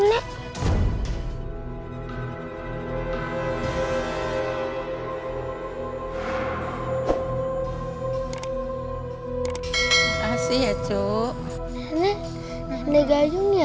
nah nek ini gayungnya